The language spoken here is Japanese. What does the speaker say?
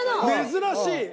珍しい！